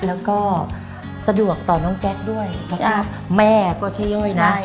แล้วก็สะดวกต่อน้องแจ็คด้วยแล้วก็แม่ก็เฉยนะ